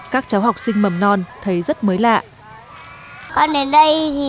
các cháu học sinh mầm non thấy rất mới lạ